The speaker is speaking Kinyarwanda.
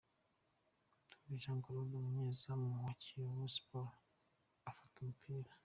Ndoli Jean Claude umunyezamu wa Kiyovu Sport afata umupira.